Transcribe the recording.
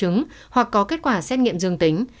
nếu không có triệu chứng hoặc có kết quả xét nghiệm dương tính